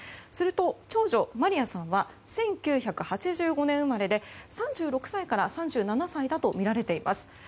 すると、長女マリヤさんは１９８５年生まれで３６歳から３７歳だとみられています。